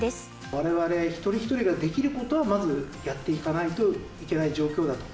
われわれ一人一人ができることをまずやっていかないといけない状況だと。